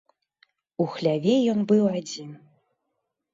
У хляве ён быў адзін.